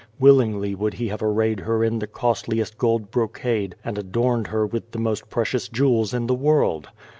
Willingly would he have arrayed her in the costliest gold brocade and adorned her with the most precious jewels in the world!